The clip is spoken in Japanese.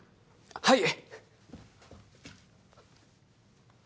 はい